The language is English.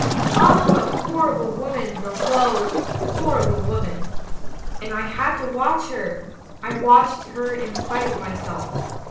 "Oh, the horrible woman, the low, horrible woman ! And I had to watch her, I watched her in spite of myself.